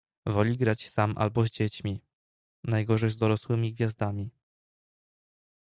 Woli grać sam albo z dziećmi, najgorzej z dorosłymi gwiazdami.